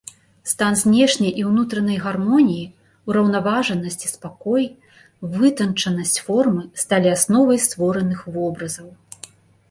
Стан знешняй і ўнутранай гармоніі, ураўнаважанасць і спакой, вытанчанасць формы сталі асновай створаных вобразаў.